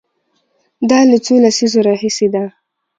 دا له څو لسیزو راهیسې ده.